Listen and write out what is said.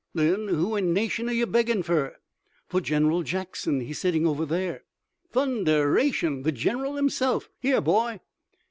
"Then who in nation are you beggin' fur?" "For General Jackson. He's sitting over there." "Thunderation! The gen'ral himself! Here, boy!"